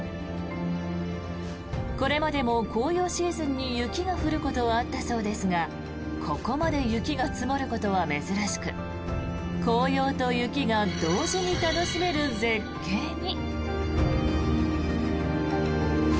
これまでも紅葉シーズンに雪が降ることはあったそうですがここまで雪が積もることは珍しく紅葉と雪が同時に楽しめる絶景に。